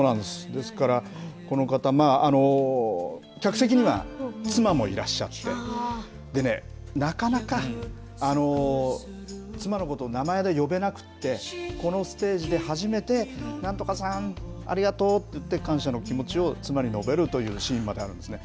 ですから、この方、客席には妻もいらっしゃって、でね、なかなか妻のことを名前で呼べなくて、このステージで初めてなんとかさん、ありがとうって言って、感謝の気持ちを妻に述べるというシーンまであるんですね。